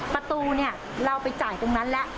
ประตูเนี่ยเราไปจ่ายตรงนั้นแล้ว